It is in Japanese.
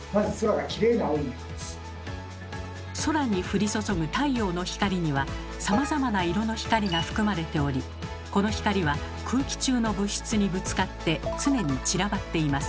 空に降り注ぐ太陽の光にはさまざまな色の光が含まれておりこの光は空気中の物質にぶつかって常に散らばっています。